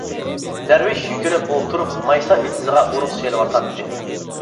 دەرۋىش يۈكۈنۈپ ئولتۇرۇپ مايسا ئېتىزىغا ئۇرۇق سېلىۋاتاتتى.